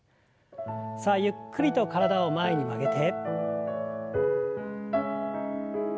さあゆっくりと体を前に曲げて。